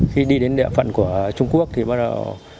khi đi đến địa phận của trung quốc thì bắt đầu